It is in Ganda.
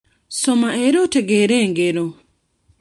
Soma era oteegere engero.